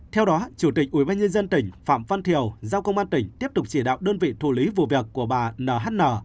theo đó chủ tịch ubnd tỉnh phạm văn thiều giao công an tỉnh tiếp tục chỉ đạo đơn vị thủ lý vụ việc của bà nhn